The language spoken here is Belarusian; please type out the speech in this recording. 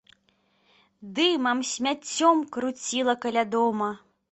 Дымам, смяццём круціла каля дома.